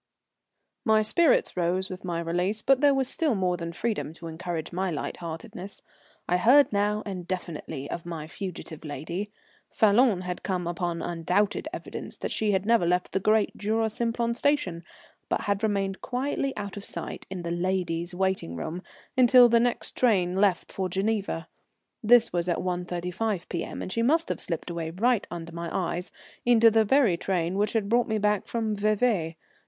My spirits rose with my release, but there was still more than freedom to encourage my light heartedness. I heard now and definitely of my fugitive lady. Falloon had come upon undoubted evidence that she had never left the great Jura Simplon station, but had remained quietly out of sight in the "ladies' waiting room" until the next train left for Geneva. This was at 1.35 P.M., and she must have slipped away right under my eyes into the very train which had brought me back from Vevey.